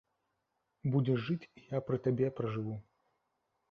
Будзеш жыць, і я пры табе пражыву.